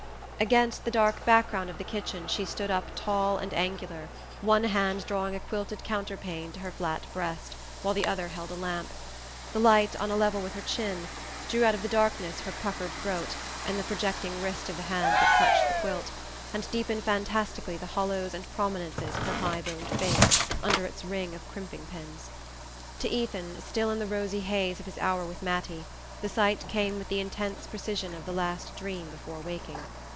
Against the dark background of the kitchen she stood up tall and angular, one hand drawing a quilted counterpane to her flat breast, while the other held a lamp. The light, on a level with her chin, drew out of the darkness her puckered throat and the projecting wrist of the hand that clutched the quilt, and deepened fantastically the hollows and prominences of her high boned face under its ring of crimping pins. To Ethan, still in the rosy haze of his hour with Mattie, the sight came with the intense precision of the last dream before waking.